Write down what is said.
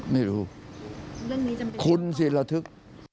ไม่รู้คุณสิระทึก